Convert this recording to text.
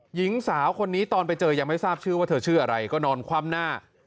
หญิงสาวคนนี้ตอนไปเจอยังไม่ทราบชื่อว่าเธอชื่ออะไรก็นอนคว่ำหน้า